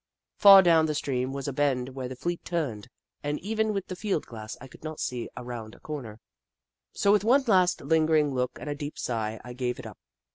Far down the stream was a bend, where the fleet turned, and even with the field glass I could not see around a corner, so with Kitchi Kitchi 107 one last lingering look and a deep sigh, I gave it up.